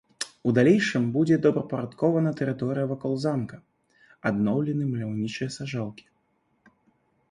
У далейшым будзе добраўпарадкавана тэрыторыя вакол замка, адноўлены маляўнічыя сажалкі.